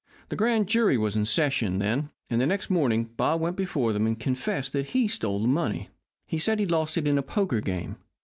The grand jury was in session then, and the next morning Bob went before them and confessed that he stole the money. He said he lost it in a poker game.